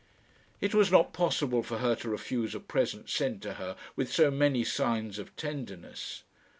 It was not possible for her to refuse a present sent to her with so many signs of tenderness.